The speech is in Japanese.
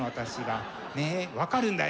分かるんだよ？